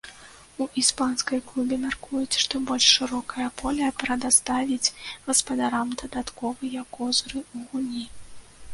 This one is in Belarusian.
У іспанскай клубе мяркуюць, што больш шырокае поле прадаставіць гаспадарам дадатковыя козыры ў гульні.